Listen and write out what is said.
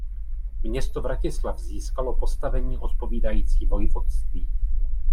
Město Vratislav získalo postavení odpovídající vojvodství.